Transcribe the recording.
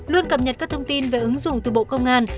luôn cập nhật các thông tin về ứng dụng từ bộ công an